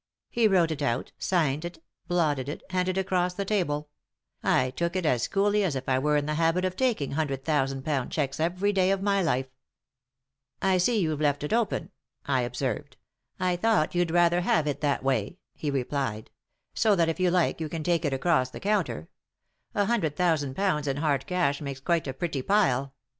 He wrote it out, signed it, blotted it, handed it across the table ; I took it as coolly as if I were in the habit of taking hundred thousand pound cheques every day 3i 9 iii^d by Google THE INTERRUPTED KISS of my life. ' I see you've left it open,' I observed. ' I thought you'd rather have it that way/ he replied, ' so that if you like you can take it across the counter ; a hundred thousand pounds in hard cash makes quite a pretty pile.'